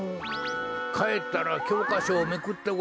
かえったらきょうかしょをめくってごらん。